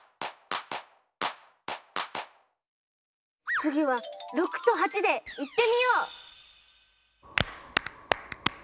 次は６と８でいってみよう！